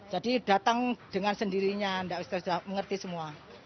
jadi datang dengan sendirinya nggak usah mengerti semua